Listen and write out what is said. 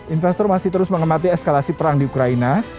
investor masih terus mengemati eskalasi perang di ukraina